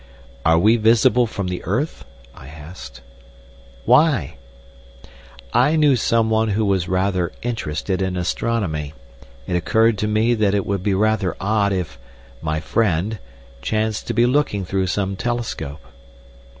"Are we visible from the earth?" I asked. "Why?" "I knew some one who was rather interested in astronomy. It occurred to me that it would be rather odd if—my friend—chanced to be looking through some telescope."